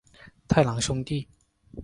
太郎兄弟。